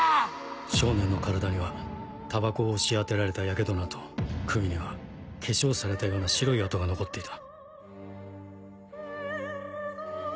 少年の体にはタバコを押し当てられたやけどの痕首には化粧されたような白い跡が残っていた。